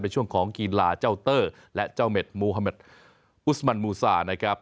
ช่วงของกีฬาเจ้าเตอร์และเจ้าเม็ดมูฮาเมดอุสมันมูซานะครับ